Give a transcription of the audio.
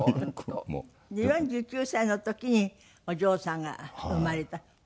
４９歳の時にお嬢さんが生まれた。